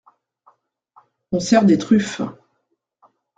On sert des truffes…